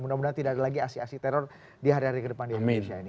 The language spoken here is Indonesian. mudah mudahan tidak ada lagi aksi aksi teror di hari hari ke depan di indonesia ini